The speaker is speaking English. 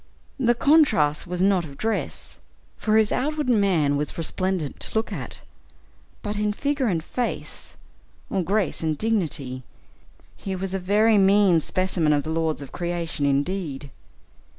The contrast was not of dress for his outward man was resplendent to look at; but in figure and face, or grace and dignity, he was a very mean specimen of the lords of creation, indeed.